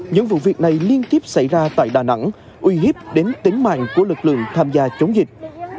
những vụ việc này liên tiếp xảy ra tại đà nẵng uy hiếp đến tính mạng của lực lượng tham gia chống dịch